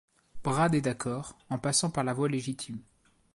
Brad est d'accord, en passant par la voie légitime.